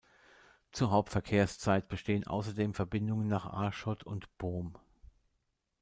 Zur Hauptverkehrszeit bestehen außerdem Verbindungen nach Aarschot und Boom.